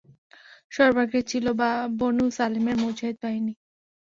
সর্বাগ্রে ছিল বনু সালীমের মুজাহিদ বাহিনী।